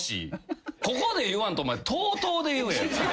ここで言わんとお前ＴＯＴＯで言え。